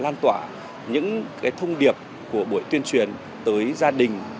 lan tỏa những thông điệp của buổi tuyên truyền tới gia đình